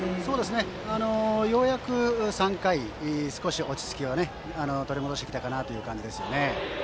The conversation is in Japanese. ようやく３回少し落ち着きを取り戻してきたかなという感じですね。